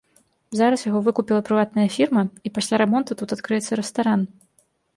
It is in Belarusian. Зараз яго выкупіла прыватная фірма, і пасля рамонту тут адкрыецца рэстаран.